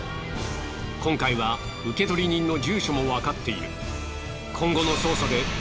今回は受取人の住所もわかっている。